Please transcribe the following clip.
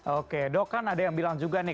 oke dok kan ada yang bilang juga nih